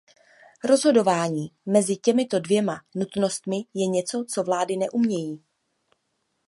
Rozhodování mezi těmito dvěma nutnostmi je něco, co vlády neumějí.